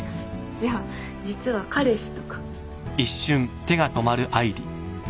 じゃあ実は彼氏とか。